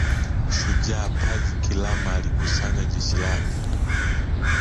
Shujaa Pazi Kilama alikusanya jeshi lake